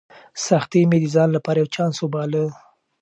سختۍ مې د ځان لپاره یو چانس وباله.